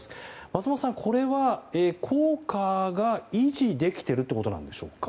松本さん、これは効果が維持できているということでしょうか。